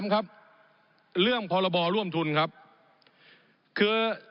ผมอภิปรายเรื่องการขยายสมภาษณ์รถไฟฟ้าสายสีเขียวนะครับ